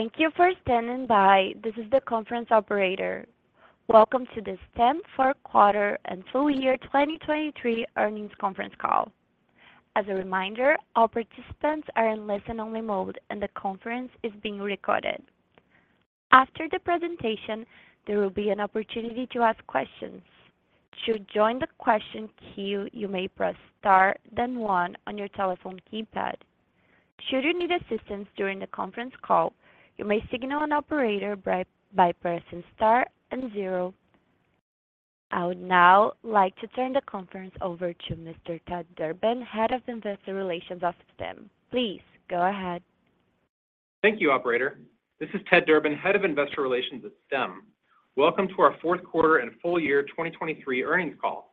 Thank you for standing by. This is the conference operator. Welcome to the Stem fourth-quarter and full-year 2023 earnings conference call. As a reminder, all participants are in listen-only mode and the conference is being recorded. After the presentation, there will be an opportunity to ask questions. To join the question queue, you may press star then one on your telephone keypad. Should you need assistance during the conference call, you may signal an operator by pressing star and zero. I would now like to turn the conference over to Mr. Ted Durbin, Head of Investor Relations of Stem. Please go ahead. Thank you, operator. This is Ted Durbin, Head of Investor Relations at Stem. Welcome to our fourth quarter and full-year 2023 earnings call.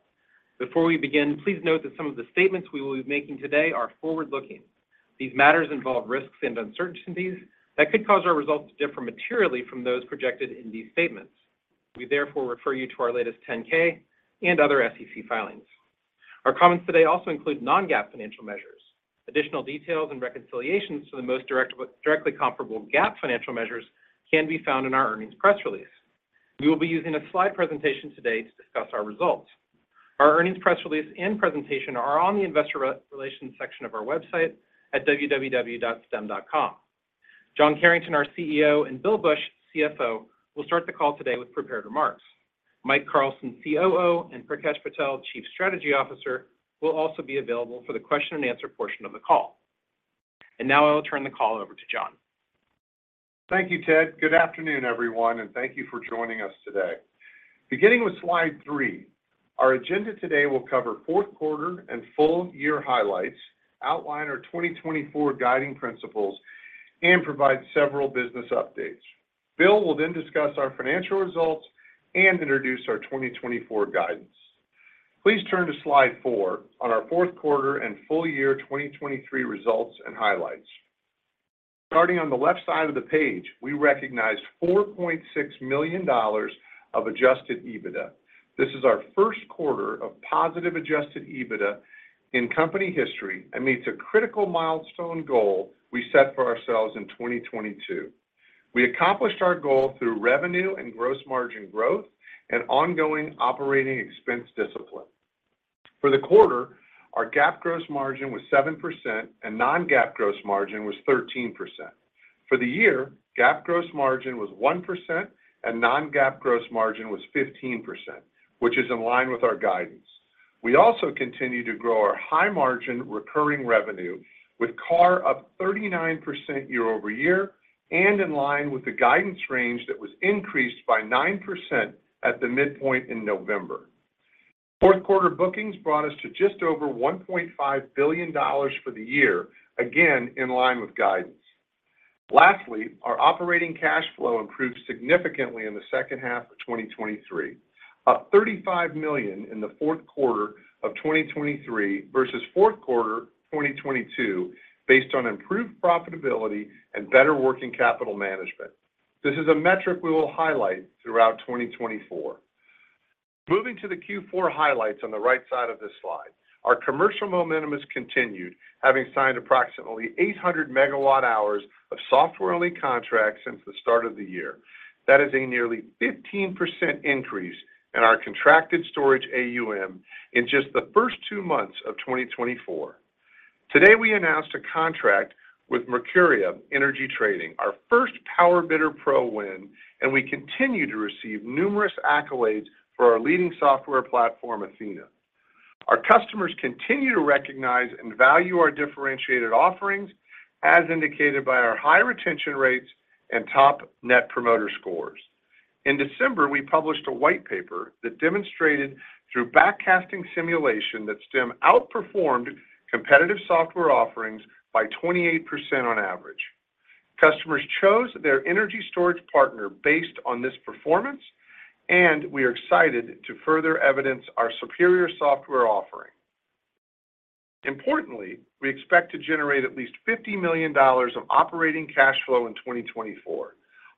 Before we begin, please note that some of the statements we will be making today are forward-looking. These matters involve risks and uncertainties that could cause our results to differ materially from those projected in these statements. We therefore refer you to our latest 10-K and other SEC filings. Our comments today also include non-GAAP financial measures. Additional details and reconciliations to the most directly comparable GAAP financial measures can be found in our earnings press release. We will be using a slide presentation today to discuss our results. Our earnings press release and presentation are on the investor relations section of our website at www.stem.com. John Carrington, our CEO, and Bill Bush, CFO, will start the call today with prepared remarks. Mike Carlson, COO, and Prakesh Patel, Chief Strategy Officer, will also be available for the question-and-answer portion of the call. Now I will turn the call over to John. Thank you, Ted. Good afternoon, everyone, and thank you for joining us today. Beginning with slide three, our agenda today will cover fourth quarter and full-year highlights, outline our 2024 guiding principles, and provide several business updates. Bill will then discuss our financial results and introduce our 2024 guidance. Please turn to slide four on our fourth quarter and full-year 2023 results and highlights. Starting on the left side of the page, we recognized $4.6 million of adjusted EBITDA. This is our first quarter of positive adjusted EBITDA in company history and meets a critical milestone goal we set for ourselves in 2022. We accomplished our goal through revenue and gross margin growth and ongoing operating expense discipline. For the quarter, our GAAP gross margin was 7% and non-GAAP gross margin was 13%. For the year, GAAP gross margin was 1% and non-GAAP gross margin was 15%, which is in line with our guidance. We also continue to grow our high-margin recurring revenue with CARR up 39% year-over-year and in line with the guidance range that was increased by 9% at the midpoint in November. fourth quarter bookings brought us to just over $1.5 billion for the year, again in line with guidance. Lastly, our operating cash flow improved significantly in the second half of 2023, up $35 million in the fourth quarter of 2023 versus fourth quarter 2022 based on improved profitability and better working capital management. This is a metric we will highlight throughout 2024. Moving to the Q4 highlights on the right side of this slide, our commercial momentum has continued, having signed approximately 800 MWh of software-only contracts since the start of the year. That is a nearly 15% increase in our contracted storage AUM in just the first two months of 2024. Today, we announced a contract with Mercuria Energy Trading, our first PowerBidder Pro win, and we continue to receive numerous accolades for our leading software platform, Athena. Our customers continue to recognize and value our differentiated offerings, as indicated by our high retention rates and top Net Promoter Scores. In December, we published a white paper that demonstrated, through backcasting simulation, that Stem, outperformed competitive software offerings by 28% on average. Customers chose their energy storage partner based on this performance, and we are excited to further evidence our superior software offering. Importantly, we expect to generate at least $50 million of operating cash flow in 2024.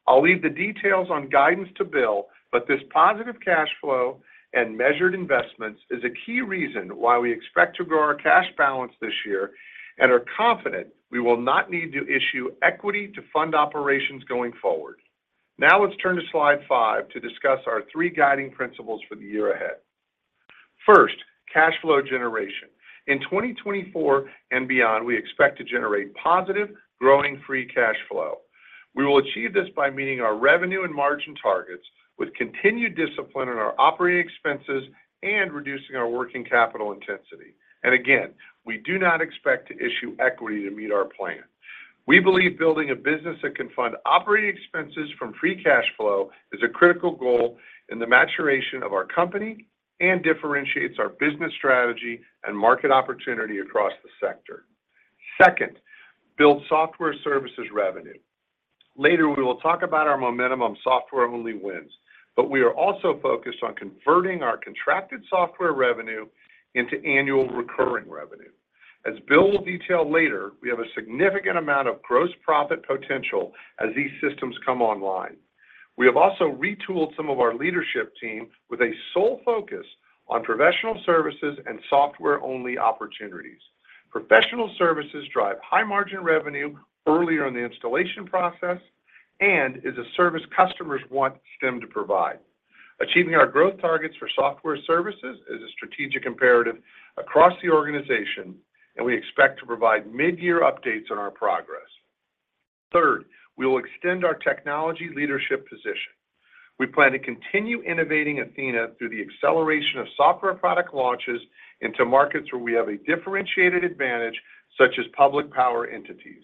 I'll leave the details on guidance to Bill, but this positive cash flow and measured investments is a key reason why we expect to grow our cash balance this year and are confident we will not need to issue equity to fund operations going forward. Now let's turn to slide five to discuss our three guiding principles for the year ahead. First, cash flow generation. In 2024 and beyond, we expect to generate positive, growing free cash flow. We will achieve this by meeting our revenue and margin targets with continued discipline in our operating expenses and reducing our working capital intensity. And again, we do not expect to issue equity to meet our plan. We believe building a business that can fund operating expenses from free cash flow is a critical goal in the maturation of our company and differentiates our business strategy and market opportunity across the sector. Second, build software services revenue. Later, we will talk about our momentum software-only wins, but we are also focused on converting our contracted software revenue into annual recurring revenue. As Bill will detail later, we have a significant amount of gross profit potential as these systems come online. We have also retooled some of our leadership team with a sole focus on professional services and software-only opportunities. Professional services drive high-margin revenue earlier in the installation process and is a service customers want Stem to provide. Achieving our growth targets for software services is a strategic imperative across the organization, and we expect to provide mid-year updates on our progress. Third, we will extend our technology leadership position. We plan to continue innovating Athena through the acceleration of software product launches into markets where we have a differentiated advantage, such as public power entities.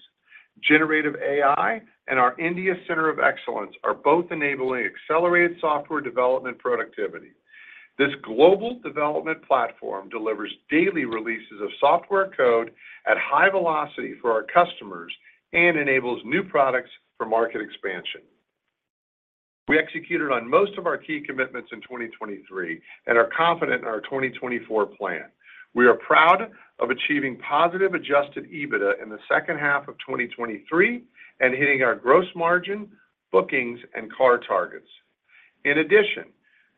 Generative AI and our India Center of Excellence are both enabling accelerated software development productivity. This global development platform delivers daily releases of software code at high velocity for our customers and enables new products for market expansion. We executed on most of our key commitments in 2023 and are confident in our 2024 plan. We are proud of achieving positive adjusted EBITDA in the second half of 2023 and hitting our gross margin, bookings, and CARR targets. In addition,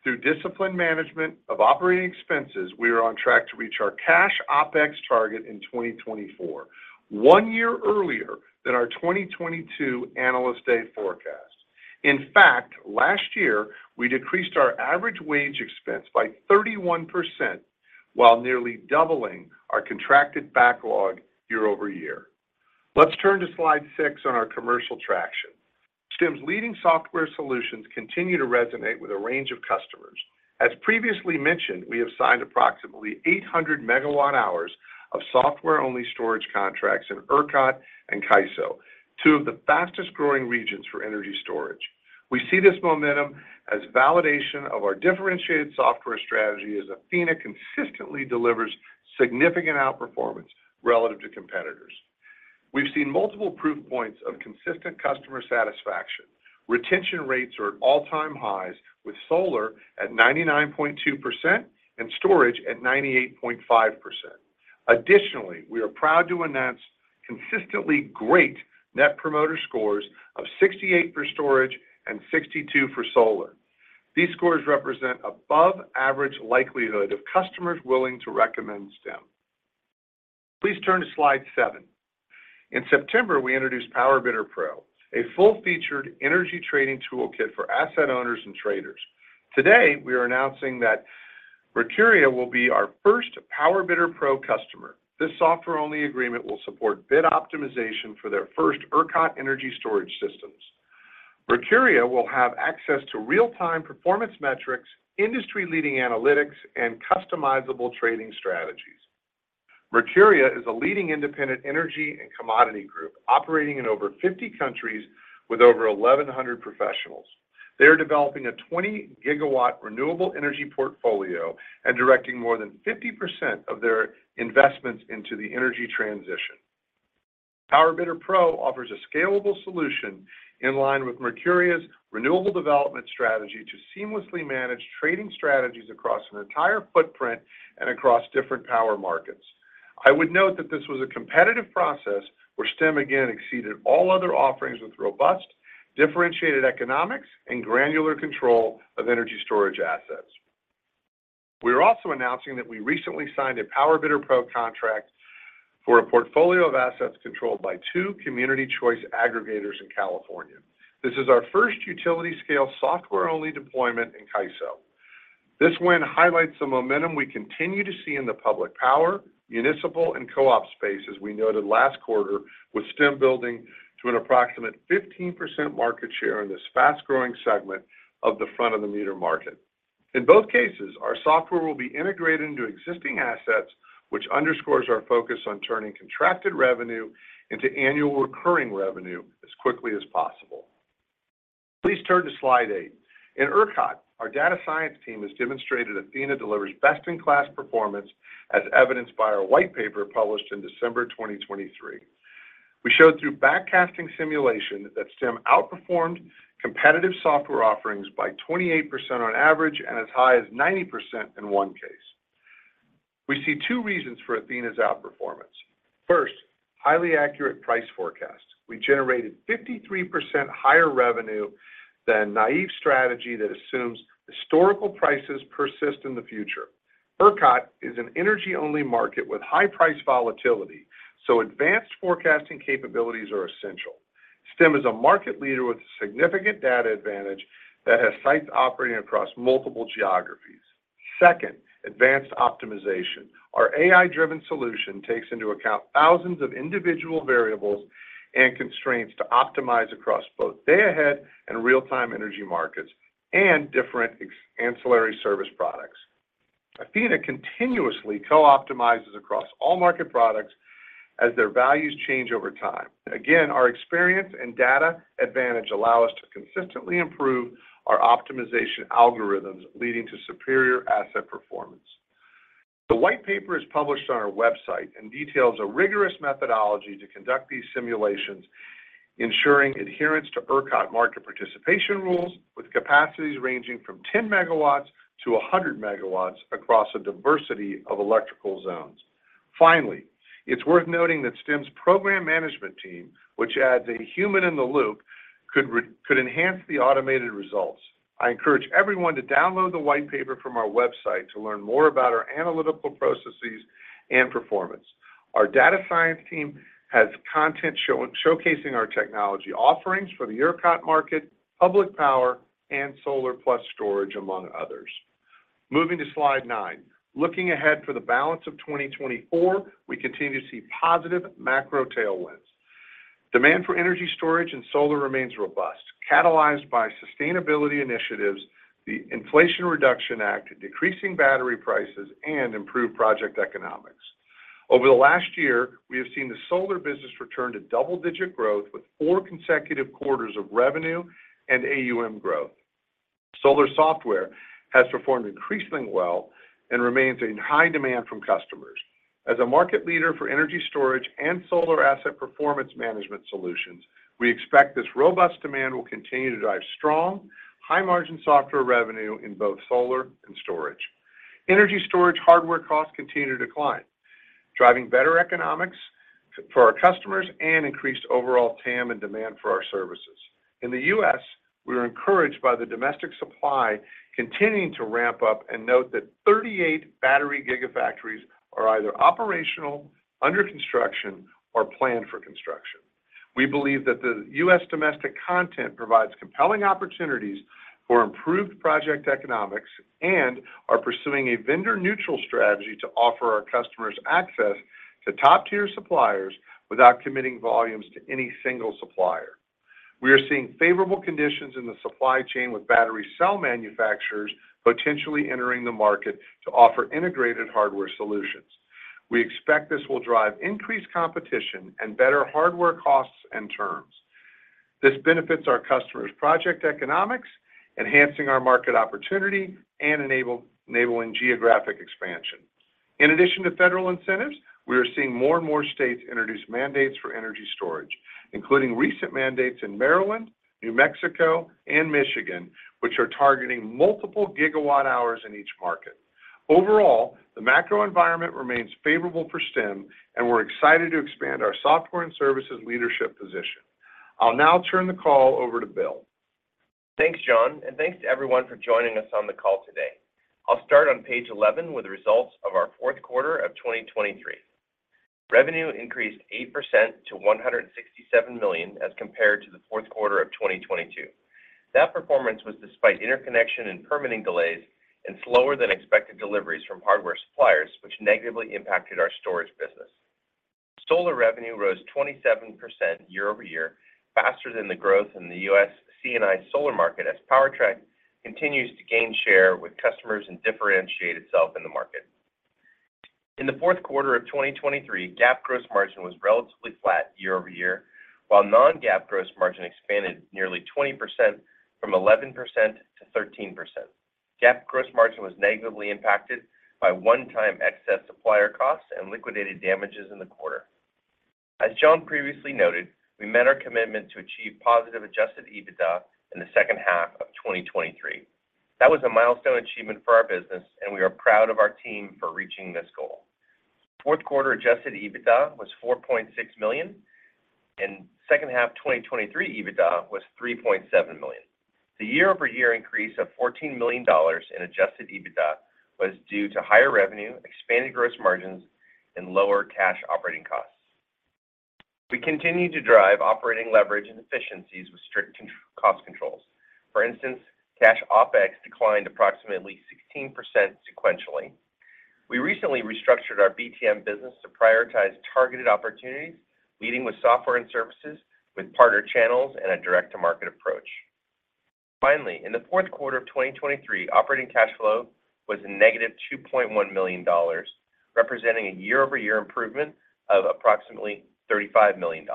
through disciplined management of operating expenses, we are on track to reach our cash OPEX target in 2024, one year earlier than our 2022 Analyst Day forecast. In fact, last year, we decreased our average wage expense by 31% while nearly doubling our contracted backlog year-over-year. Let's turn to slide six on our commercial traction. Stem's leading software solutions continue to resonate with a range of customers. As previously mentioned, we have signed approximately 800 MWh of software-only storage contracts in ERCOT and CAISO, two of the fastest-growing regions for energy storage. We see this momentum as validation of our differentiated software strategy as Athena consistently delivers significant outperformance relative to competitors. We've seen multiple proof points of consistent customer satisfaction. Retention rates are at all-time highs, with solar at 99.2% and storage at 98.5%. Additionally, we are proud to announce consistently great Net Promoter Scores of 68 for storage and 62 for solar. These scores represent above-average likelihood of customers willing to recommend Stem. Please turn to slide seven. In September, we introduced PowerBidder Pro, a full-featured energy trading toolkit for asset owners and traders. Today, we are announcing that Mercuria will be our first PowerBidder Pro customer. This software-only agreement will support bid optimization for their first ERCOT energy storage systems. Mercuria will have access to real-time performance metrics, industry-leading analytics, and customizable trading strategies. Mercuria is a leading independent energy and commodity group operating in over 50 countries with over 1,100 professionals. They are developing a 20 GW renewable energy portfolio and directing more than 50% of their investments into the energy transition. PowerBidder Pro offers a scalable solution in line with Mercuria's renewable development strategy to seamlessly manage trading strategies across an entire footprint and across different power markets. I would note that this was a competitive process where Stem, again, exceeded all other offerings with robust, differentiated economics, and granular control of energy storage assets. We are also announcing that we recently signed a PowerBidder Pro contract for a portfolio of assets controlled by two community-choice aggregators in California. This is our first utility-scale software-only deployment in CAISO. This win highlights the momentum we continue to see in the public power, municipal, and co-op space, as we noted last quarter, with Stem building to an approximate 15% market share in this fast-growing segment of the front-of-the-meter market. In both cases, our software will be integrated into existing assets, which underscores our focus on turning contracted revenue into annual recurring revenue as quickly as possible. Please turn to slide 8. In ERCOT, our data science team has demonstrated Athena delivers best-in-class performance, as evidenced by our white paper published in December 2023. We showed through backcasting simulation that Stem outperformed competitive software offerings by 28% on average and as high as 90% in one case. We see two reasons for Athena's outperformance. First, highly accurate price forecast. We generated 53% higher revenue than naive strategy that assumes historical prices persist in the future. ERCOT is an energy-only market with high price volatility, so advanced forecasting capabilities are essential. Stem is a market leader with significant data advantage that has sites operating across multiple geographies. Second, advanced optimization. Our AI-driven solution takes into account thousands of individual variables and constraints to optimize across both day-ahead and real-time energy markets and different ancillary service products. Athena continuously co-optimizes across all market products as their values change over time. Again, our experience and data advantage allow us to consistently improve our optimization algorithms, leading to superior asset performance. The white paper is published on our website and details a rigorous methodology to conduct these simulations, ensuring adherence to ERCOT market participation rules with capacities ranging from 10 MW-100 MW across a diversity of electrical zones. Finally, it's worth noting that Stem's program management team, which adds a human in the loop, could enhance the automated results. I encourage everyone to download the white paper from our website to learn more about our analytical processes and performance. Our data science team has content showcasing our technology offerings for the ERCOT market, public power, and solar plus storage, among others. Moving to slide nine. Looking ahead for the balance of 2024, we continue to see positive macro tailwinds. Demand for energy storage and solar remains robust, catalyzed by sustainability initiatives, the Inflation Reduction Act, decreasing battery prices, and improved project economics. Over the last year, we have seen the solar business return to double-digit growth with four consecutive quarters of revenue and AUM growth. Solar software has performed increasingly well and remains in high demand from customers. As a market leader for energy storage and solar asset performance management solutions, we expect this robust demand will continue to drive strong, high-margin software revenue in both solar and storage. Energy storage hardware costs continue to decline, driving better economics for our customers and increased overall TAM and demand for our services. In the U.S., we are encouraged by the domestic supply continuing to ramp up and note that 38 battery gigafactories are either operational, under construction, or planned for construction. We believe that the U.S. domestic content provides compelling opportunities for improved project economics and are pursuing a vendor-neutral strategy to offer our customers access to top-tier suppliers without committing volumes to any single supplier. We are seeing favorable conditions in the supply chain with battery cell manufacturers potentially entering the market to offer integrated hardware solutions. We expect this will drive increased competition and better hardware costs and terms. This benefits our customers' project economics, enhancing our market opportunity and enabling geographic expansion. In addition to federal incentives, we are seeing more and more states introduce mandates for energy storage, including recent mandates in Maryland, New Mexico, and Michigan, which are targeting multiple GWhs in each market. Overall, the macro environment remains favorable for Stem, and we're excited to expand our software and services leadership position. I'll now turn the call over to Bill. Thanks, John, and thanks to everyone for joining us on the call today. I'll start on page 11 with the results of our fourth quarter of 2023. Revenue increased 8% to $167 million as compared to the fourth quarter of 2022. That performance was despite interconnection and permitting delays and slower-than-expected deliveries from hardware suppliers, which negatively impacted our storage business. Solar revenue rose 27% year-over-year, faster than the growth in the U.S. C&I solar market as PowerTrack continues to gain share with customers and differentiate itself in the market. In the fourth quarter of 2023, GAAP gross margin was relatively flat year-over-year, while non-GAAP gross margin expanded nearly 20% from 11%-13%. GAAP gross margin was negatively impacted by one-time excess supplier costs and liquidated damages in the quarter. As John previously noted, we met our commitment to achieve positive adjusted EBITDA in the second half of 2023. That was a milestone achievement for our business, and we are proud of our team for reaching this goal. Fourth quarter adjusted EBITDA was $4.6 million, and second half 2023 EBITDA was $3.7 million. The year-over-year increase of $14 million in adjusted EBITDA was due to higher revenue, expanded gross margins, and lower cash operating costs. We continue to drive operating leverage and efficiencies with strict cost controls. For instance, cash OPEX declined approximately 16% sequentially. We recently restructured our BTM business to prioritize targeted opportunities, leading with software and services with partner channels and a direct-to-market approach. Finally, in the fourth quarter of 2023, operating cash flow was negative $2.1 million, representing a year-over-year improvement of approximately $35 million.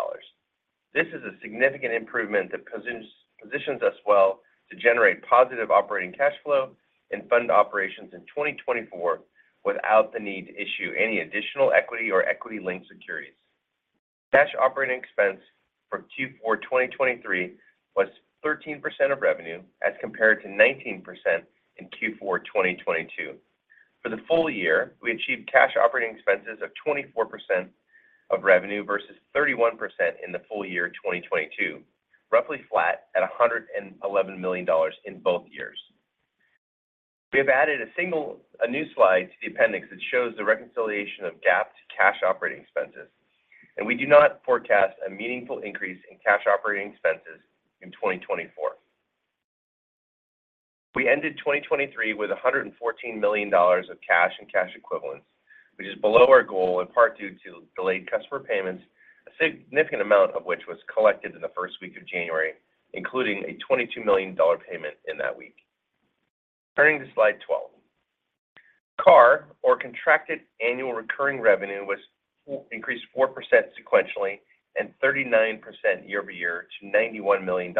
This is a significant improvement that positions us well to generate positive operating cash flow and fund operations in 2024 without the need to issue any additional equity or equity-linked securities. Cash operating expense for Q4 2023 was 13% of revenue as compared to 19% in Q4 2022. For the full year, we achieved cash operating expenses of 24% of revenue versus 31% in the full year 2022, roughly flat at $111 million in both years. We have added a new slide to the appendix that shows the reconciliation of GAAP cash operating expenses, and we do not forecast a meaningful increase in cash operating expenses in 2024. We ended 2023 with $114 million of cash and cash equivalents, which is below our goal in part due to delayed customer payments, a significant amount of which was collected in the first week of January, including a $22 million payment in that week. Turning to slide 12. CARR, or contracted annual recurring revenue, increased 4% sequentially and 39% year-over-year to $91 million,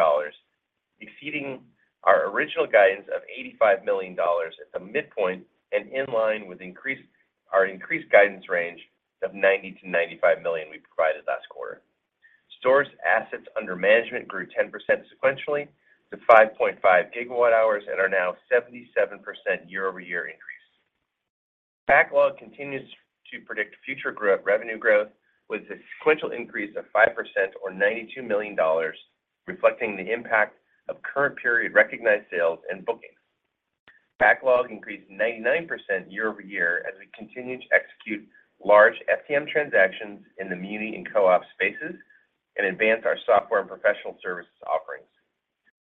exceeding our original guidance of $85 million at the midpoint and in line with our increased guidance range of $90 million-$95 million we provided last quarter. Stem's assets under management grew 10% sequentially to 5.5 GWh and are now 77% year-over-year increase. Backlog continues to predict future revenue growth with a sequential increase of 5% or $92 million, reflecting the impact of current-period recognized sales and bookings. Backlog increased 99% year-over-year as we continue to execute large FTM transactions in the community and co-op spaces and advance our software and professional services offerings.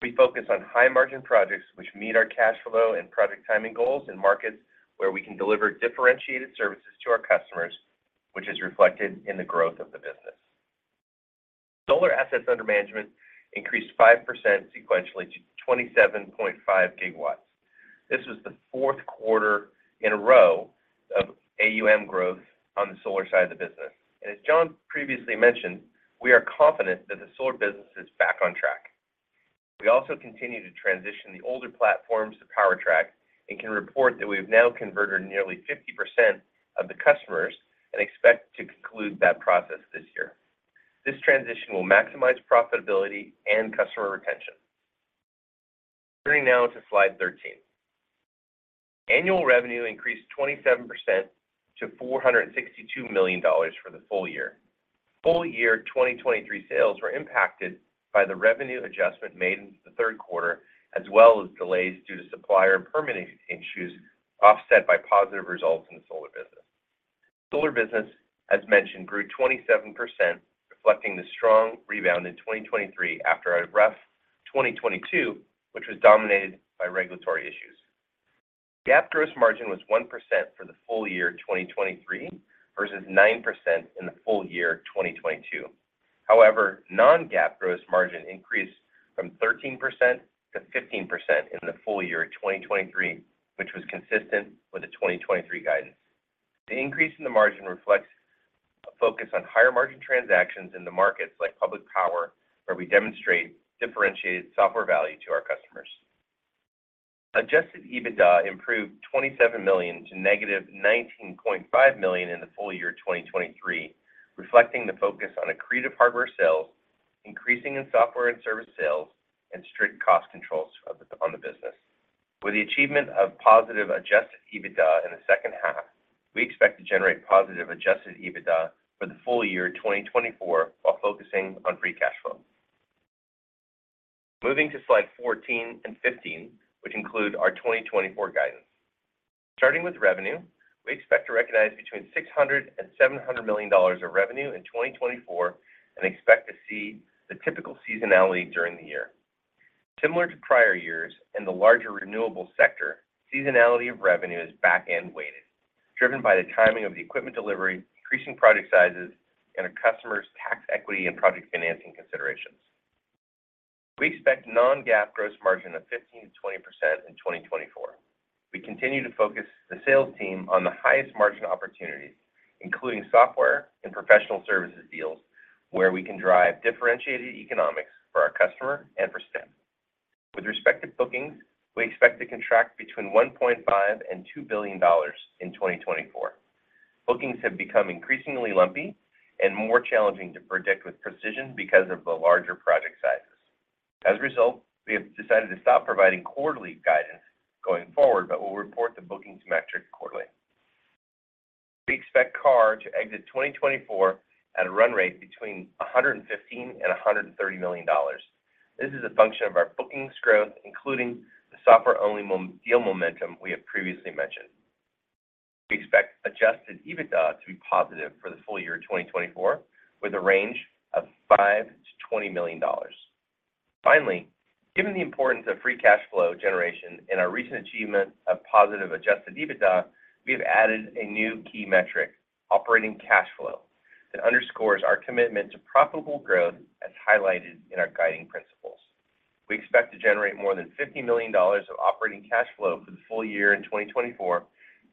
We focus on high-margin projects which meet our cash flow and project timing goals in markets where we can deliver differentiated services to our customers, which is reflected in the growth of the business. Solar assets under management increased 5% sequentially to 27.5 GW. This was the fourth quarter in a row of AUM growth on the solar side of the business. And as John previously mentioned, we are confident that the solar business is back on track. We also continue to transition the older platforms to PowerTrack and can report that we have now converted nearly 50% of the customers and expect to conclude that process this year. This transition will maximize profitability and customer retention. Turning now to slide 13. Annual revenue increased 27% to $462 million for the full year. Full year 2023 sales were impacted by the revenue adjustment made in the third quarter as well as delays due to supplier and permitting issues offset by positive results in the solar business. Solar business, as mentioned, grew 27%, reflecting the strong rebound in 2023 after a rough 2022, which was dominated by regulatory issues. GAAP gross margin was 1% for the full year 2023 versus 9% in the full year 2022. However, non-GAAP gross margin increased from 13% to 15% in the full year 2023, which was consistent with the 2023 guidance. The increase in the margin reflects a focus on higher-margin transactions in the markets like public power, where we demonstrate differentiated software value to our customers. Adjusted EBITDA improved $27 million to negative $19.5 million in the full year 2023, reflecting the focus on accretive hardware sales, increasing in software and service sales, and strict cost controls on the business. With the achievement of positive adjusted EBITDA in the second half, we expect to generate positive adjusted EBITDA for the full year 2024 while focusing on free cash flow. Moving to slide 14 and 15, which include our 2024 guidance. Starting with revenue, we expect to recognize between $600 million and $700 million of revenue in 2024 and expect to see the typical seasonality during the year. Similar to prior years in the larger renewable sector, seasonality of revenue is back-end weighted, driven by the timing of the equipment delivery, increasing project sizes, and our customers' tax equity and project financing considerations. We expect non-GAAP gross margin of 15%-20% in 2024. We continue to focus the sales team on the highest margin opportunities, including software and professional services deals, where we can drive differentiated economics for our customer and for STEM. With respect to bookings, we expect to contract between $1.5 billion-$2 billion in 2024. Bookings have become increasingly lumpy and more challenging to predict with precision because of the larger project sizes. As a result, we have decided to stop providing quarterly guidance going forward but will report the bookings metric quarterly. We expect CARR to exit 2024 at a run rate between $115 million-$130 million. This is a function of our bookings growth, including the software-only deal momentum we have previously mentioned. We expect adjusted EBITDA to be positive for the full year 2024 with a range of $5 million-$20 million. Finally, given the importance of free cash flow generation and our recent achievement of positive adjusted EBITDA, we have added a new key metric, operating cash flow, that underscores our commitment to profitable growth as highlighted in our guiding principles. We expect to generate more than $50 million of operating cash flow for the full year in 2024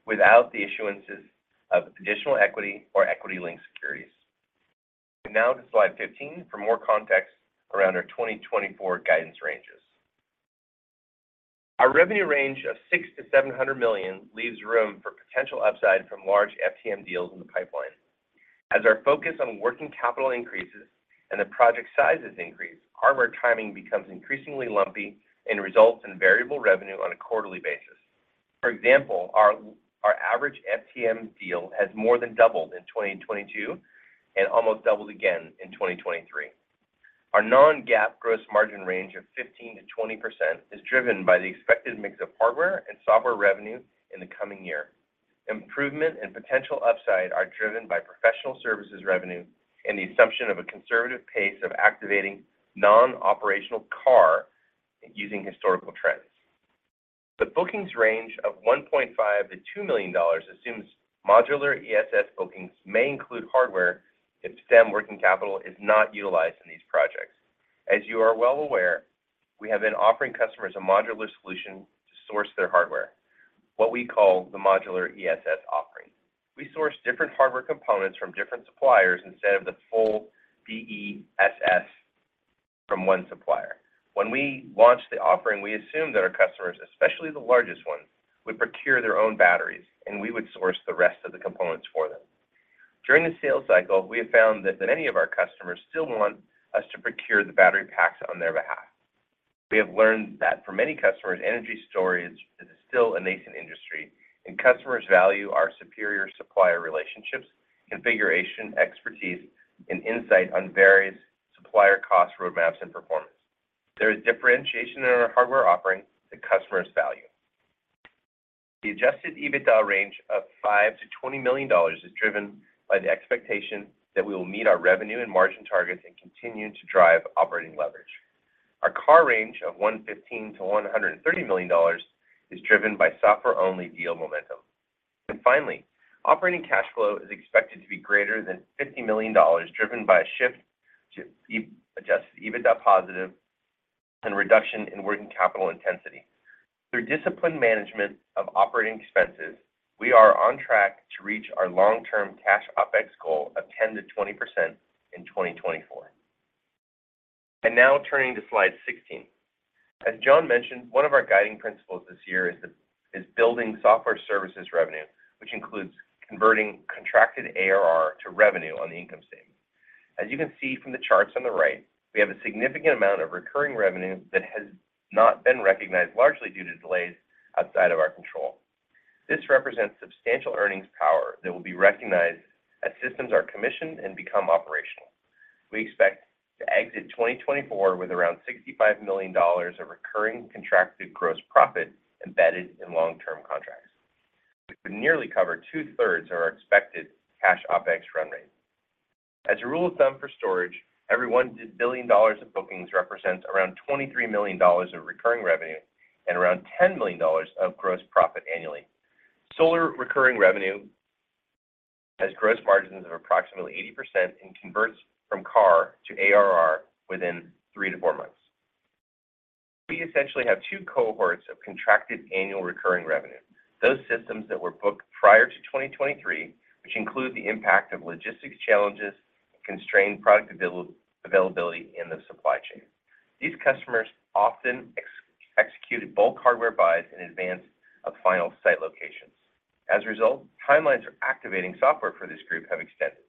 without the issuances of additional equity or equity-linked securities. Now to slide 15 for more context around our 2024 guidance ranges. Our revenue range of $600 million-$700 million leaves room for potential upside from large FTM deals in the pipeline. As our focus on working capital increases and the project sizes increase, hardware timing becomes increasingly lumpy and results in variable revenue on a quarterly basis. For example, our average FTM deal has more than doubled in 2022 and almost doubled again in 2023. Our non-GAAP gross margin range of 15%-20% is driven by the expected mix of hardware and software revenue in the coming year. Improvement and potential upside are driven by professional services revenue and the assumption of a conservative pace of activating non-operational CARR using historical trends. The bookings range of $1.5 million-$2 million assumes modular ESS bookings may include hardware if Stem working capital is not utilized in these projects. As you are well aware, we have been offering customers a modular solution to source their hardware, what we call the modular ESS offering. We source different hardware components from different suppliers instead of the full BESS from one supplier. When we launched the offering, we assumed that our customers, especially the largest ones, would procure their own batteries, and we would source the rest of the components for them. During the sales cycle, we have found that many of our customers still want us to procure the battery packs on their behalf. We have learned that for many customers, energy storage is still a nascent industry, and customers value our superior supplier relationships, configuration, expertise, and insight on various supplier cost roadmaps and performance. There is differentiation in our hardware offering that customers value. The adjusted EBITDA range of $5 milion-$20 million is driven by the expectation that we will meet our revenue and margin targets and continue to drive operating leverage. Our CARR range of $115 million-$130 million is driven by software-only deal momentum. And finally, operating cash flow is expected to be greater than $50 million driven by a shift to adjusted EBITDA positive and reduction in working capital intensity. Through disciplined management of operating expenses, we are on track to reach our long-term cash OPEX goal of 10%-20% in 2024. And now turning to slide 16. As John mentioned, one of our guiding principles this year is building software services revenue, which includes converting contracted ARR to revenue on the income statement. As you can see from the charts on the right, we have a significant amount of recurring revenue that has not been recognized largely due to delays outside of our control. This represents substantial earnings power that will be recognized as systems are commissioned and become operational. We expect to exit 2024 with around $65 million of recurring contracted gross profit embedded in long-term contracts. We would nearly cover two-thirds of our expected cash OPEX run rate. As a rule of thumb for storage, every $1 billion of bookings represents around $23 million of recurring revenue and around $10 million of gross profit annually. Solar recurring revenue has gross margins of approximately 80% and converts from CARR to ARR within three-four months. We essentially have two cohorts of contracted annual recurring revenue, those systems that were booked prior to 2023, which include the impact of logistics challenges and constrained product availability in the supply chain. These customers often executed bulk hardware buys in advance of final site locations. As a result, timelines for activating software for this group have extended.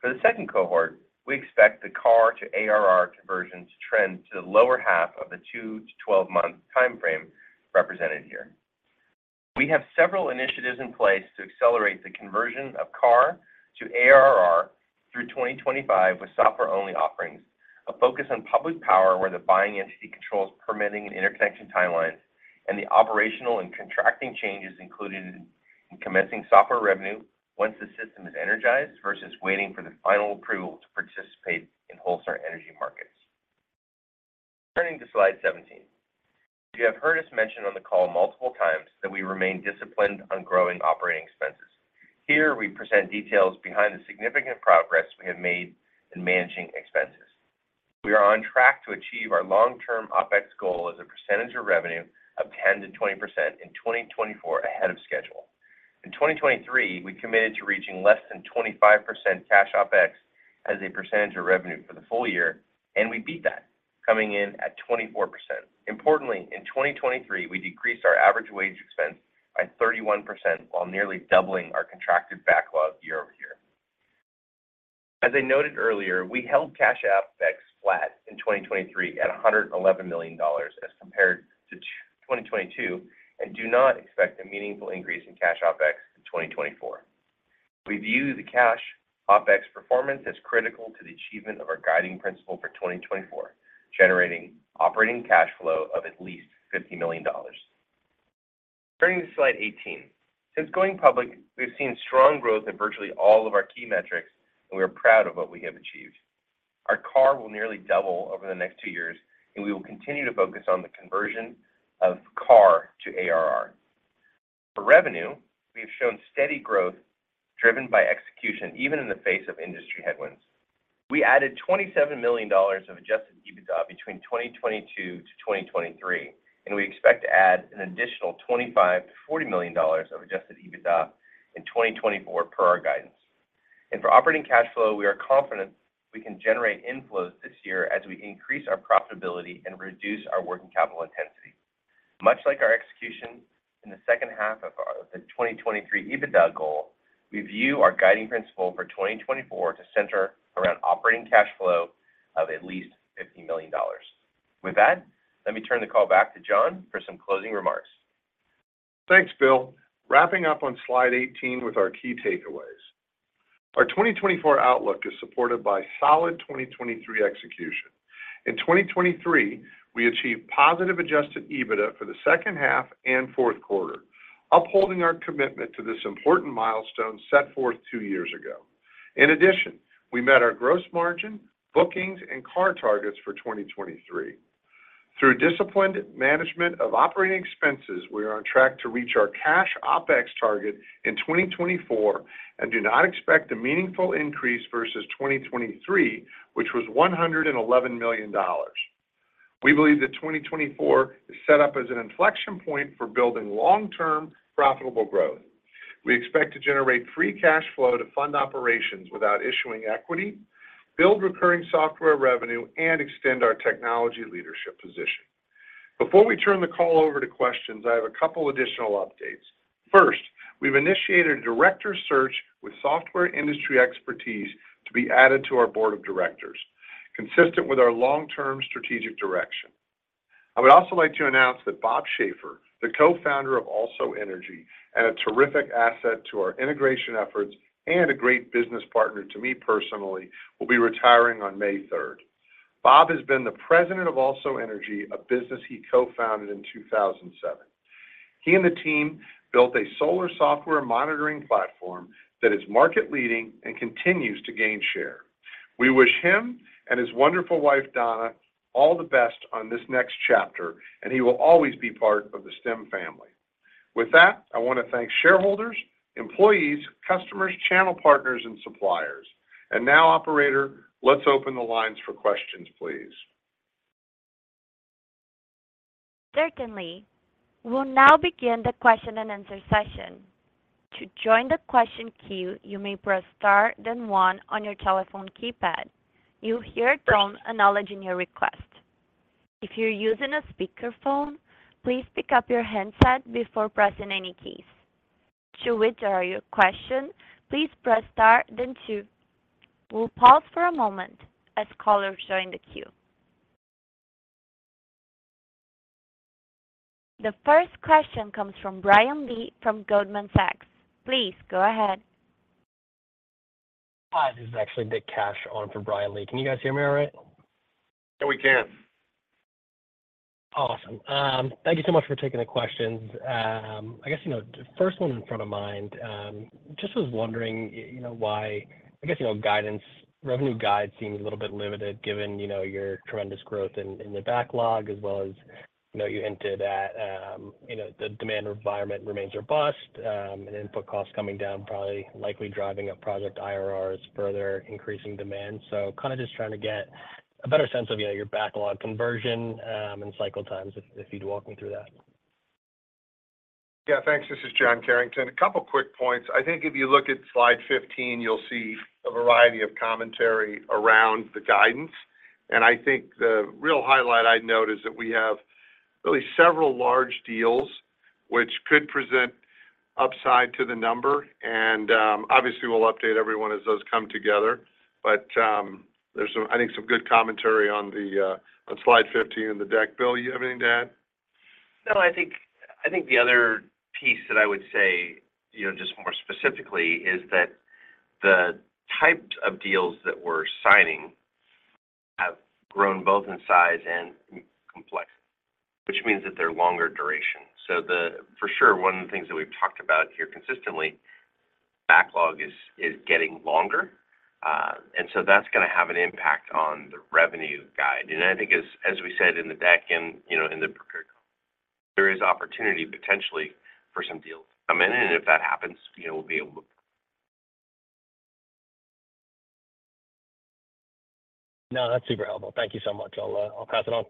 For the second cohort, we expect the CARR to ARR conversion to trend to the lower half of the 2-12-month time frame represented here. We have several initiatives in place to accelerate the conversion of CARR to ARR through 2025 with software-only offerings, a focus on public power where the buying entity controls permitting and interconnection timelines, and the operational and contracting changes included in commencing software revenue once the system is energized versus waiting for the final approval to participate in wholesale energy markets. Turning to slide 17. You have heard us mention on the call multiple times that we remain disciplined on growing operating expenses. Here, we present details behind the significant progress we have made in managing expenses. We are on track to achieve our long-term OPEX goal as a percentage of revenue of 10%-20% in 2024 ahead of schedule. In 2023, we committed to reaching less than 25% cash OPEX as a percentage of revenue for the full year, and we beat that, coming in at 24%. Importantly, in 2023, we decreased our average wage expense by 31% while nearly doubling our contracted backlog year over year. As I noted earlier, we held cash OPEX flat in 2023 at $111 million as compared to 2022 and do not expect a meaningful increase in cash OPEX in 2024. We view the cash OPEX performance as critical to the achievement of our guiding principle for 2024, generating operating cash flow of at least $50 million. Turning to slide 18. Since going public, we have seen strong growth in virtually all of our key metrics, and we are proud of what we have achieved. Our CARR will nearly double over the next two years, and we will continue to focus on the conversion of CARR to ARR. For revenue, we have shown steady growth driven by execution, even in the face of industry headwinds. We added $27 million of adjusted EBITDA between 2022 to 2023, and we expect to add an additional $25million-$40 million of adjusted EBITDA in 2024 per our guidance. For operating cash flow, we are confident we can generate inflows this year as we increase our profitability and reduce our working capital intensity. Much like our execution in the second half of the 2023 EBITDA goal, we view our guiding principle for 2024 to center around operating cash flow of at least $50 million. With that, let me turn the call back to John for some closing remarks. Thanks, Bill. Wrapping up on slide 18 with our key takeaways. Our 2024 outlook is supported by solid 2023 execution. In 2023, we achieved positive adjusted EBITDA for the second half and fourth quarter, upholding our commitment to this important milestone set forth two years ago. In addition, we met our gross margin, bookings, and CARR targets for 2023. Through disciplined management of operating expenses, we are on track to reach our cash OPEX target in 2024 and do not expect a meaningful increase versus 2023, which was $111 million. We believe that 2024 is set up as an inflection point for building long-term profitable growth. We expect to generate free cash flow to fund operations without issuing equity, build recurring software revenue, and extend our technology leadership position. Before we turn the call over to questions, I have a couple of additional updates. First, we've initiated a director search with software industry expertise to be added to our board of directors, consistent with our long-term strategic direction. I would also like to announce that Bob Schaefer, the co-founder of AlsoEnergy and a terrific asset to our integration efforts and a great business partner to me personally, will be retiring on May 3rd. Bob has been the president of AlsoEnergy, a business he co-founded in 2007. He and the team built a solar software monitoring platform that is market-leading and continues to gain share. We wish him and his wonderful wife, Donna, all the best on this next chapter, and he will always be part of the Stem family. With that, I want to thank shareholders, employees, customers, channel partners, and suppliers. And now, operator, let's open the lines for questions, please. Certainly. We'll now begin the question-and-answer session. To join the question queue, you may press star, then one on your telephone keypad. You'll hear a tone acknowledging your request. If you're using a speakerphone, please pick up your headset before pressing any keys. To withdraw your question, please press star, then two. We'll pause for a moment as callers join the queue. The first question comes from Brian Lee from Goldman Sachs. Please go ahead. Hi. This is actually Nick Cash on for Brian Lee. Can you guys hear me all right? Yeah, we can. Awesome. Thank you so much for taking the questions. I guess the first one in front of mind, just was wondering why I guess revenue guide seems a little bit limited given your tremendous growth in the backlog, as well as you hinted at the demand environment remains robust and input costs coming down, probably likely driving up project IRRs, further increasing demand. So kind of just trying to get a better sense of your backlog conversion and cycle times, if you'd walk me through that yeah. thanks. This is John Carrington. A couple of quick points. I think if you look at slide 15, you'll see a variety of commentary around the guidance. And I think the real highlight I'd note is that we have really several large deals, which could present upside to the number. And obviously, we'll update everyone as those come together. But there's, I think, some good commentary on slide 15 and the deck, Bill. Do you have anything to add? No, I think the other piece that I would say just more specifically is that the types of deals that we're signing have grown both in size and complexity, which means that they're longer duration. So, for sure, one of the things that we've talked about here consistently, backlog is getting longer. And so that's going to have an impact on the revenue guide. And I think, as we said in the deck and in the procurement, there is opportunity potentially for some deals to come in. And if that happens, we'll be able to. No, that's super helpful. Thank you so much. I'll pass it on.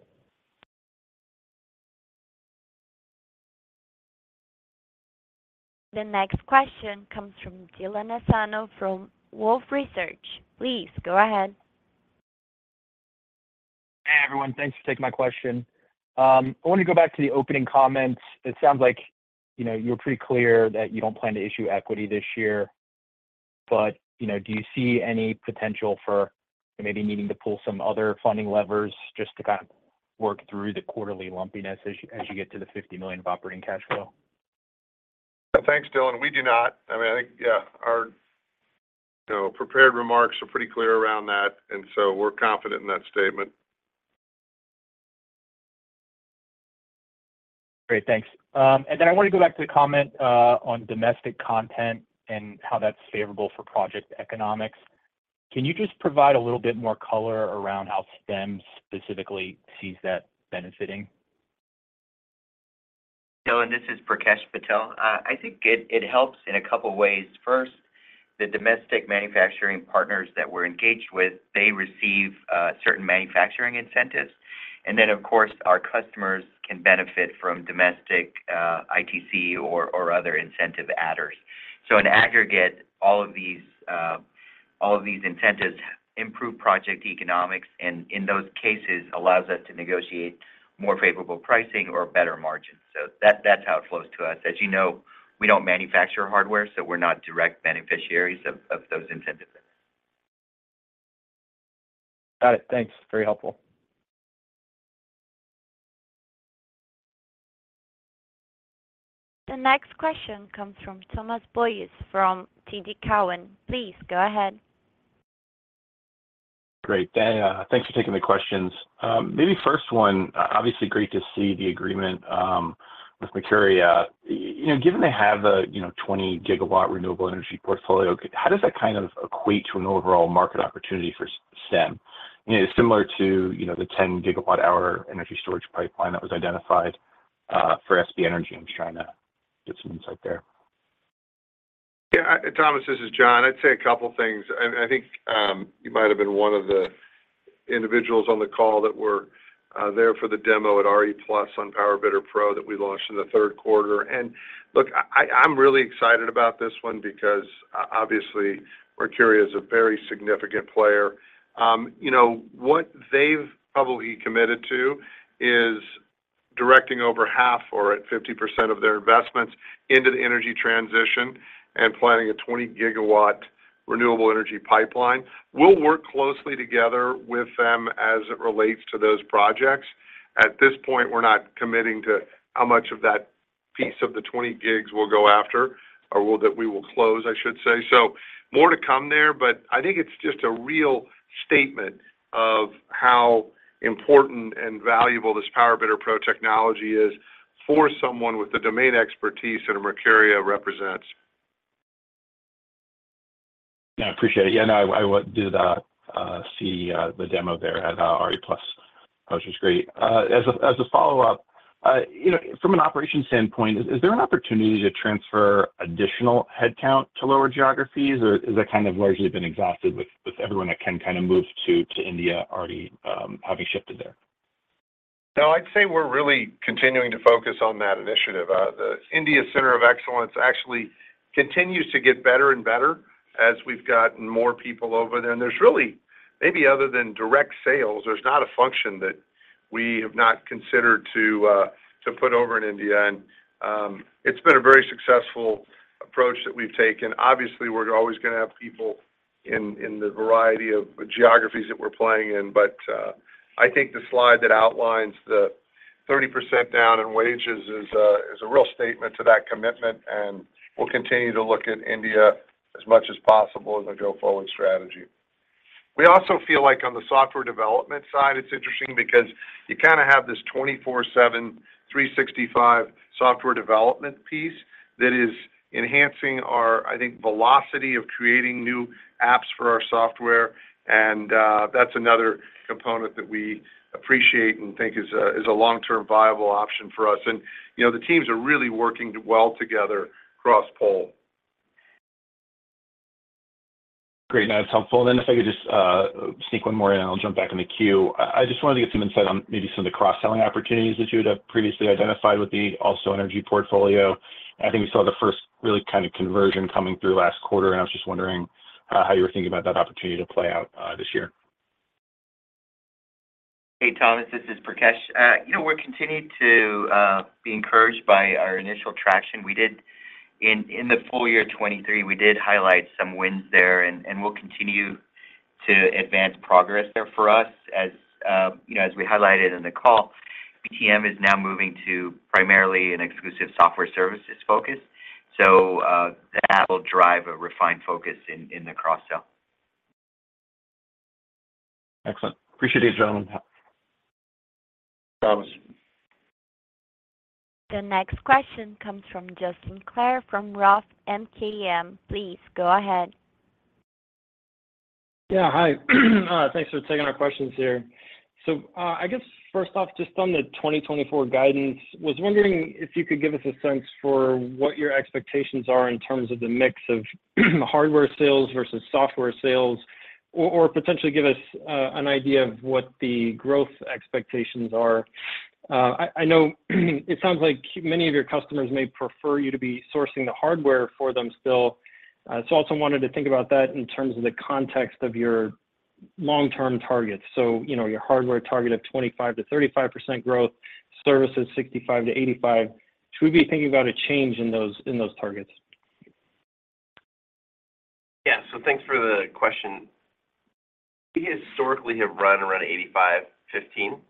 The next question comes from Dylan Nassano from Wolfe Research. Please go ahead. Hey, everyone. Thanks for taking my question. I want to go back to the opening comments. It sounds like you were pretty clear that you don't plan to issue equity this year. But do you see any potential for maybe needing to pull some other funding levers just to kind of work through the quarterly lumpiness as you get to the $50 million of operating cash flow? Thanks, Dylan. We do not. I mean, I think, yeah, our prepared remarks are pretty clear around that. And so we're confident in that statement. Great. Thanks. And then I want to go back to the comment on domestic content and how that's favorable for project economics. Can you just provide a little bit more color around how Stem specifically sees that benefiting? Dylan, this is Prakesh Patel. I think it helps in a couple of ways. First, the domestic manufacturing partners that we're engaged with, they receive certain manufacturing incentives. And then, of course, our customers can benefit from domestic ITC or other incentive adders. So in aggregate, all of these incentives improve project economics and, in those cases, allows us to negotiate more favorable pricing or better margins. So that's how it flows to us. As you know, we don't manufacture hardware, so we're not direct beneficiaries of those incentives. Got it. Thanks. Very helpful. The next question comes from Thomas Boyes from TD Cowen. Please go ahead. Great. Thanks for taking the questions. Maybe first one, obviously, great to see the agreement with Mercuria. Given they have a 20 GW renewable energy portfolio, how does that kind of equate to an overall market opportunity for Stem? It's similar to the 10-GWh energy storage pipeline that was identified for SB Energy. I'm just trying to get some insight there. Yeah, Thomas, this is John. I'd say a couple of things. I think you might have been one of the individuals on the call that were there for the demo at RE+ on PowerBidder Pro that we launched in the third quarter. And look, I'm really excited about this one because, obviously, Mercuria is a very significant player. What they've probably committed to is directing over half or 50% of their investments into the energy transition and planning a 20 GW renewable energy pipeline. We'll work closely together with them as it relates to those projects. At this point, we're not committing to how much of that piece of the 20 gigs we'll go after or that we will close, I should say. So more to come there. But I think it's just a real statement of how important and valuable this PowerBidder Pro technology is for someone with the domain expertise that Mercuria represents. Yeah, I appreciate it. Yeah, no, I did see the demo there at RE+. That was just great. As a follow-up, from an operations standpoint, is there an opportunity to transfer additional headcount to lower geographies, or has that kind of largely been exhausted with everyone that can kind of move to India already having shifted there? No, I'd say we're really continuing to focus on that initiative. The India Center of Excellence actually continues to get better and better as we've gotten more people over there. And maybe other than direct sales, there's not a function that we have not considered to put over in India. And it's been a very successful approach that we've taken. Obviously, we're always going to have people in the variety of geographies that we're playing in. But I think the slide that outlines the 30% down in wages is a real statement to that commitment. And we'll continue to look at India as much as possible as a go-forward strategy. We also feel like, on the software development side, it's interesting because you kind of have this 24/7, 365 software development piece that is enhancing our, I think, velocity of creating new apps for our software. And that's another component that we appreciate and think is a long-term viable option for us. And the teams are really working well together across globe. Great. No, that's helpful. And then if I could just sneak one more, and then I'll jump back in the queue. I just wanted to get some insight on maybe some of the cross-selling opportunities that you had previously identified with the AlsoEnergy portfolio. And I think we saw the first really kind of conversion coming through last quarter. I was just wondering how you were thinking about that opportunity to play out this year? Hey, Thomas. This is Prakesh. We're continued to be encouraged by our initial traction. In the full year 2023, we did highlight some wins there. And we'll continue to advance progress there for us. As we highlighted in the call, BTM is now moving to primarily an exclusive software services focus. So that will drive a refined focus in the cross-sell. Excellent. Appreciate you, gentlemen. Thomas. The next question comes from Justin Clare from Roth MKM. Please go ahead. Yeah, hi. Thanks for taking our questions here. So I guess, first off, just on the 2024 guidance, I was wondering if you could give us a sense for what your expectations are in terms of the mix of hardware sales versus software sales or potentially give us an idea of what the growth expectations are. I know it sounds like many of your customers may prefer you to be sourcing the hardware for them still. So I also wanted to think about that in terms of the context of your long-term targets. So your hardware target of 25%-35% growth, services 65%-85%. Should we be thinking about a change in those targets? Yeah. So thanks for the question. We historically have run around 85%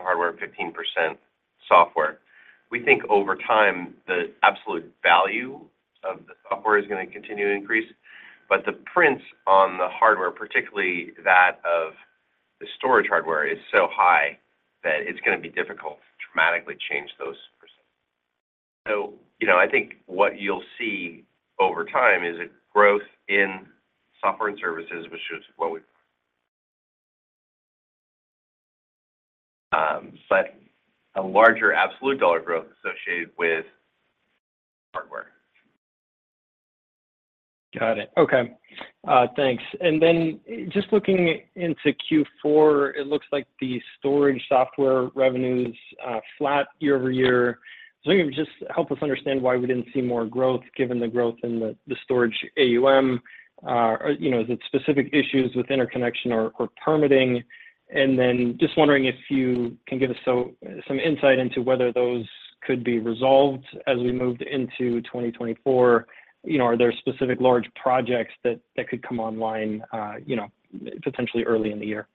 hardware, 15% software. We think, over time, the absolute value of the software is going to continue to increase. But the prints on the hardware, particularly that of the storage hardware, is so high that it's going to be difficult to dramatically change those percentages. So I think what you'll see over time is a growth in software and services, which is what we've got. But a larger absolute dollar growth associated with hardware. Got it. Okay. Thanks. And then just looking into Q4, it looks like the storage software revenues flat year-over-year. So I think it would just help us understand why we didn't see more growth given the growth in the storage AUM. Is it specific issues with interconnection or permitting? And then just wondering if you can give us some insight into whether those could be resolved as we move into 2024. Are there specific large projects that could come online potentially early in the year?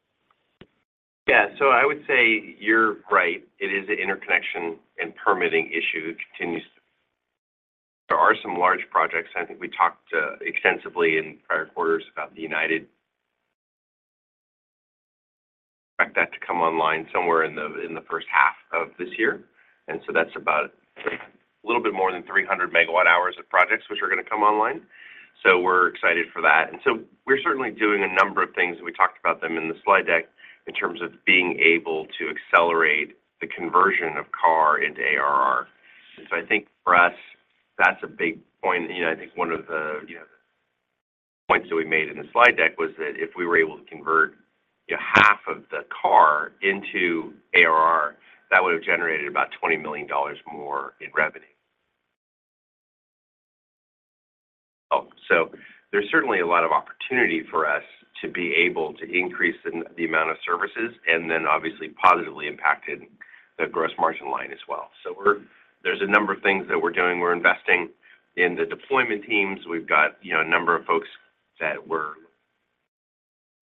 Yeah. So I would say you're right. It is an interconnection and permitting issue that continues to. There are some large projects. I think we talked extensively in prior quarters about the 200 we expect that to come online somewhere in the first half of this year. And so that's about a little bit more than 300 megawatt-hours of projects which are going to come online. So we're excited for that. And so we're certainly doing a number of things. And we talked about them in the slide deck in terms of being able to accelerate the conversion of CARR into ARR. And so I think, for us, that's a big point. I think one of the points that we made in the slide deck was that if we were able to convert half of the CARR into ARR, that would have generated about $20 million more in revenue. Oh, so there's certainly a lot of opportunity for us to be able to increase the amount of services and then, obviously, positively impact the gross margin line as well. So there's a number of things that we're doing. We're investing in the deployment teams. We've got a number of folks that we're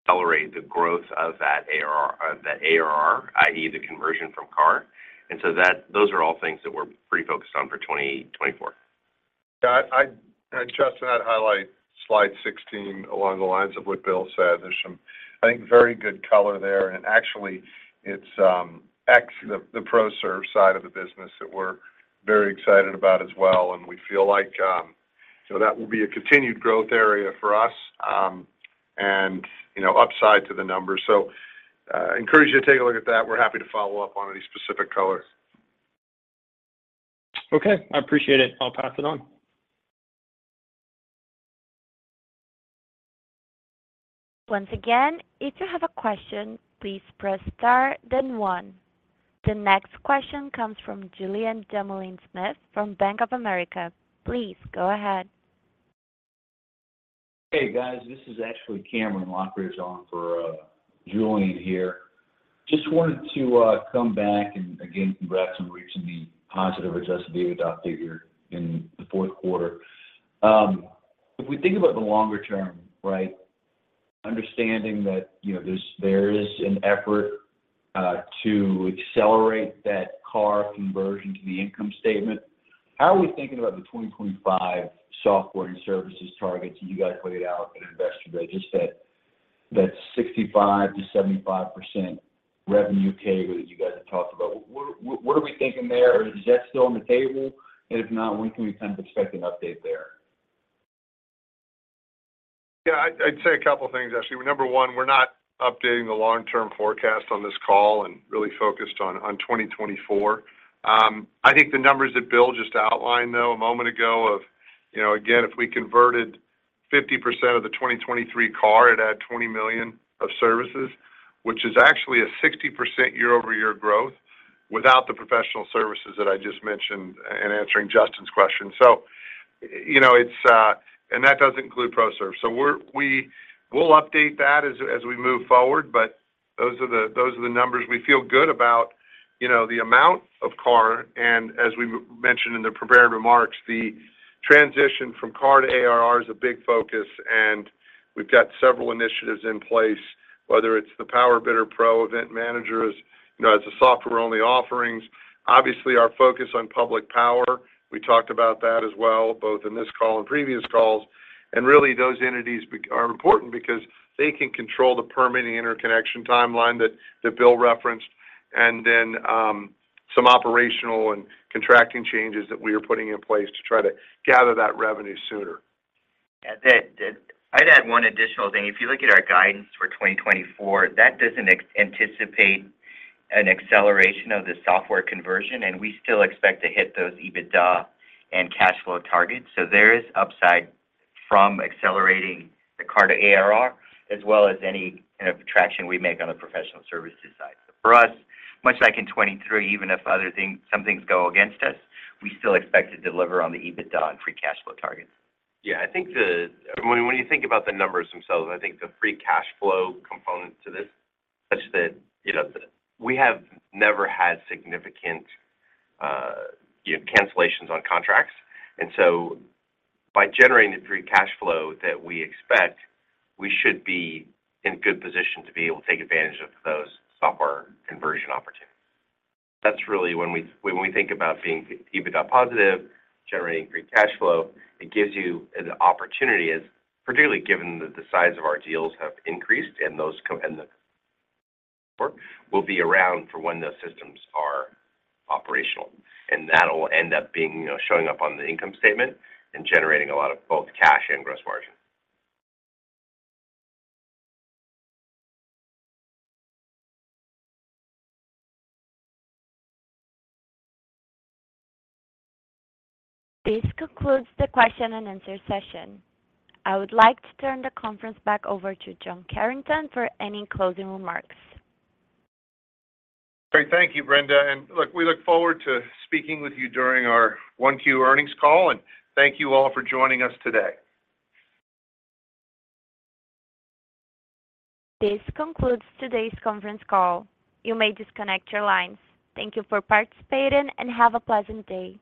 accelerating the growth of that ARR, i.e., the conversion from CARR. And so those are all things that we're pretty focused on for 2024. Yeah. Justin, I'd highlight slide 16 along the lines of what Bill said. There's some, I think, very good color there. And actually, it's the ProServe side of the business that we're very excited about as well. And we feel like that will be a continued growth area for us and upside to the numbers. So encourage you to take a look at that. We're happy to follow up on any specific colors. Okay. I appreciate it. I'll pass it on. Once again, if you have a question, please press star, then one. The next question comes from Julian Dumoulin-Smith from Bank of America. Please go ahead. Hey, guys. This is actually Cameron Taylor on for Julian here. Just wanted to come back and, again, congrats on reaching the positive adjusted EBITDA figure in the fourth quarter. If we think about the longer term, right, understanding that there is an effort to accelerate that CARR conversion to the income statement, how are we thinking about the 2025 software and services targets that you guys laid out at Investor Day? Just that 65%-75% revenue CAGR that you guys had talked about, what are we thinking there? Is that still on the table? And if not, when can we kind of expect an update there? Yeah, I'd say a couple of things, actually. Number one, we're not updating the long-term forecast on this call and really focused on 2024. I think the numbers that Bill just outlined, though, a moment ago of, again, if we converted 50% of the 2023 CARR, it adds $20 million of services, which is actually a 60% year-over-year growth without the professional services that I just mentioned and answering Justin's question. So it's and that doesn't include ProServe. So we'll update that as we move forward. But those are the numbers. We feel good about the amount of CARR. And as we mentioned in the prepared remarks, the transition from CARR to ARR is a big focus. And we've got several initiatives in place, whether it's the PowerBidder Pro event managers as a software-only offering. Obviously, our focus on public power, we talked about that as well, both in this call and previous calls. And really, those entities are important because they can control the permitting interconnection timeline that Bill referenced and then some operational and contracting changes that we are putting in place to try to gather that revenue sooner. Yeah. I'd add one additional thing. If you look at our guidance for 2024, that doesn't anticipate an acceleration of the software conversion. And we still expect to hit those EBITDA and cash flow targets. So there is upside from accelerating the CARR to ARR as well as any kind of traction we make on the professional services side. So for us, much like in 2023, even if some things go against us, we still expect to deliver on the EBITDA and free cash flow targets. Yeah. I think, I mean, when you think about the numbers themselves, I think the free cash flow component to this such that we have never had significant cancellations on contracts. And so by generating the free cash flow that we expect, we should be in good position to be able to take advantage of those software conversion opportunities. That's really when we think about being EBITDA positive, generating free cash flow; it gives you an opportunity, as particularly given that the size of our deals have increased and the software will be around for when those systems are operational. And that will end up showing up on the income statement and generating a lot of both cash and gross margin. This concludes the question-and-answer session. I would like to turn the conference back over to John Carrington for any closing remarks. Great. Thank you, Brenda. Look, we look forward to speaking with you during our Q1 earnings call. Thank you all for joining us today. This concludes today's conference call. You may disconnect your lines. Thank you for participating, and have a pleasant day.